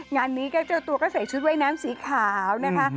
งานนี้ก็เจ้าตัวก็ใส่ชุดว่ายน้ำสีขาวนะคะ